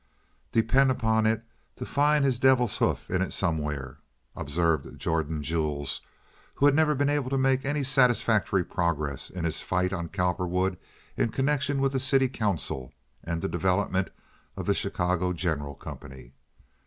"Depend on it to find his devil's hoof in it somewhere," observed Jordan Jules, who had never been able to make any satisfactory progress in his fight on Cowperwood in connection with the city council and the development of the Chicago General Company.